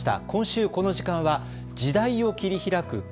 今週、この時間は時代を切り開く！